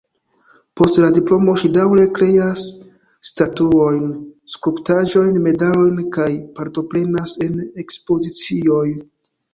Post la diplomo ŝi daŭre kreas statuojn, skulptaĵojn, medalojn kaj partoprenas en ekspozicioj.